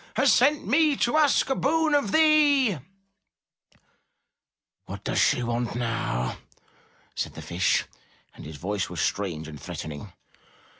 Has sent me to ask a boon of thee." "What does she want now?" said the Fish, and his voice was strange and threatening.